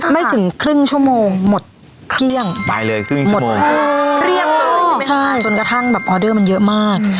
ไม่ถึงครึ่งชั่วโมงหมดเกลี้ยงหมดโอ้ใช่จนกระทั่งออเดอร์มันเยอะมาก